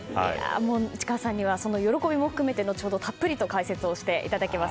内川さんにはその喜びも含めて後ほどたっぷり解説をしていただきます。